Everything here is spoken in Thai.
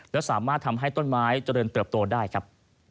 และสามารถทำให้ต้นไม้เจริญเติบโตได้ครับ